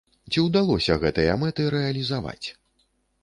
Ці ўдалося гэтыя мэты рэалізаваць?